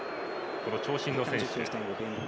長身の選手。